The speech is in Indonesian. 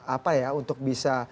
apa ya untuk bisa